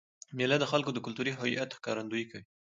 مېله د خلکو د کلتوري هویت ښکارندويي کوي.